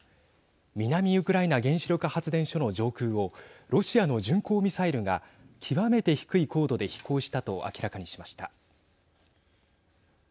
南ウクライナ原子力発電所の上空をロシアの巡航ミサイルが極めて低い高度で飛行したと明らかにしました。